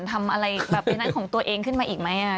ทำอะไรแบบในนั้นของตัวเองขึ้นมาอีกไหม